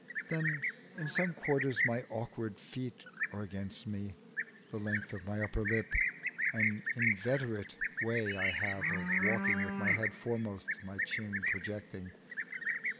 Then, in some quarters my awkward feet are against me, the length of my upper lip, and an inveterate way I have of walking with my head foremost and my chin projecting.